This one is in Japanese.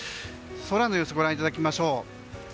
空の様子ご覧いただきましょう。